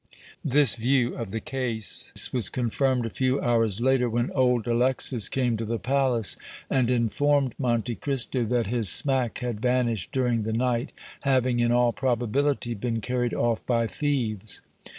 This view of the case was confirmed a few hours later, when old Alexis came to the palace and informed Monte Cristo that his smack had vanished during the night, having, in all probability, been carried off by thieves.